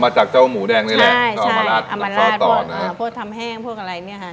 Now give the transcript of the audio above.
มาจากเจ้าหมูแดงนี่แหละใช่ใช่อัมราชอัมราชพวกอ่าพวกทำแห้งพวกอะไรเนี้ยฮะ